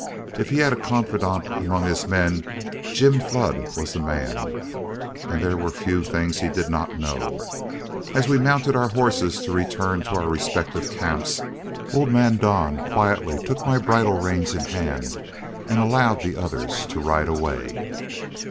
If he had a confidant among his men, Jim Flood was the man and there were a few things he did not know. As we mounted our horses to return to our respective camps, old man Don quietly took my bridle reins in hand and allowed the others to ride away.